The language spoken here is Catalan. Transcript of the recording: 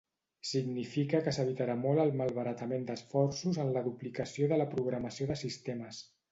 Significa que s'evitarà molt el malbaratament d'esforços en la duplicació de la programació de sistemes.